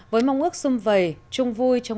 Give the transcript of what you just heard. với mong ước xung vầy chung vui trong